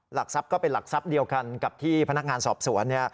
หลักทรัพย์ก็เป็นหลักทรัพย์เดียวกันกับที่พนักงานสอบสวน